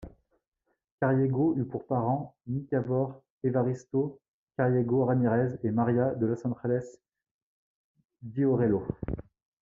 Carriego eut pour parents Nicanor Evaristo Carriego Ramírez et María de los Ángeles Giorello.